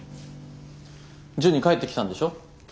ジュニ帰ってきたんでしょ？